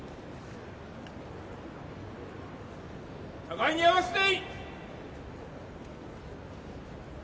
互いに合わせて。